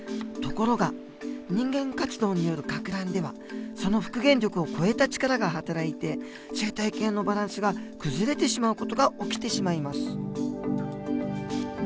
ところが人間活動によるかく乱ではその復元力を超えた力がはたらいて生態系のバランスが崩れてしまう事が起きてしまいます。